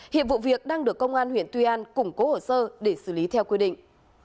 hiện vụ việc đang được công an huyện tuy an củng cố hồ sơ để xử lý theo quy định